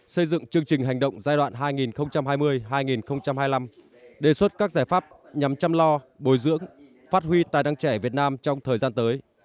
xây dựng chương trình hành động giai đoạn hai nghìn hai mươi hai nghìn hai mươi năm đề xuất các giải pháp nhằm chăm lo bồi dưỡng phát huy tài năng trẻ việt nam trong thời gian tới